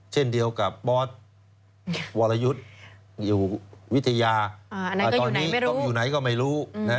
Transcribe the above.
เช่นเดียวกับบอสวรยุทธ์อยู่วิทยาตอนนี้ก็อยู่ไหนก็ไม่รู้